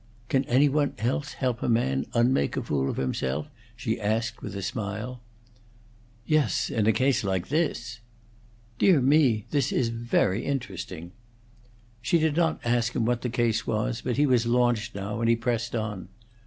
"Can any one else help a man unmake a fool of himself?" she asked, with a smile. "Yes. In a case like this." "Dear me! This is very interesting." She did not ask him what the case was, but he was launched now, and he pressed on.